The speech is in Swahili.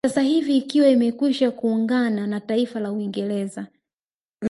Sasa hivi ikiwa imekwisha kuungana na taifa la Uingerza